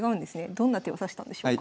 どんな手を指したんでしょうか。